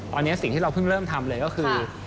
ตอนนี้สิ่งที่เราเพิ่งเริ่มทำเลยก็คือ